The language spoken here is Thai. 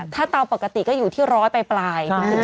ถ้าเตาปกติก็อยู่ที่๑๐๐บาทในพื้นตี